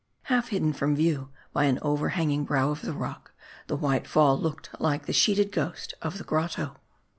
Half hidden from view by an overhanging brow of the rock, the white fall looked like the sheeted ghost of the grotto.